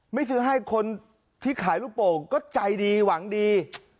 ไม่ซื้อให้คนที่ขายลูกโป่งก็ใจดีหวังดี